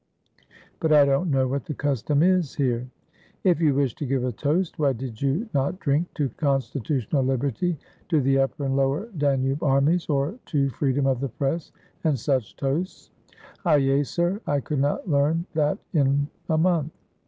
"But I don't know what the custom is here." "If you wished to give a toast, why did you not drink to constitutional Liberty, to the upper and lower 362 THE UNLUCKY WEATHERCOCK Danube armies, or to freedom of the press, and such toasts?" ^^Hyay, sir! I could not learn that in a month!"